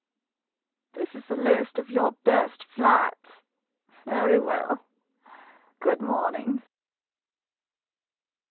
This is the list of your best flats? Very well — good morning.